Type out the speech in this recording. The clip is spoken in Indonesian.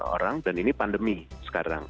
orang dan ini pandemi sekarang